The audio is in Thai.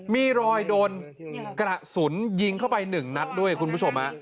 มีรอยโดนกระสุนยิงเข้าไป๑นัดด้วยคุณผู้ชม